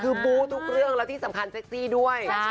คือบู้ทุกเรื่องแล้วที่สำคัญเซ็กซี่ด้วย